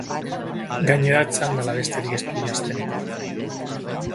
Gainera, txandala besterik ez du janzten.